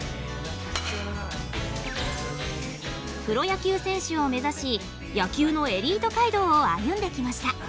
プロ野球選手を目指し野球のエリート街道を歩んできました。